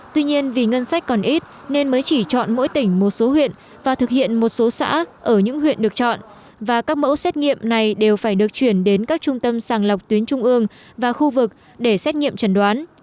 tuy nhiên vì ngân sách còn ít nên mới chỉ chọn mỗi tỉnh một số huyện và thực hiện một số xã ở những huyện được chọn và các mẫu xét nghiệm này đều phải được chuyển đến các trung tâm sàng lọc tuyến trung ương và khu vực để xét nghiệm trần đoán